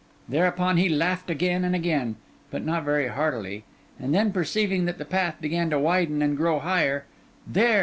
Thereupon he laughed again and again, but not very heartily; and then, perceiving that the path began to widen and grow higher, 'There!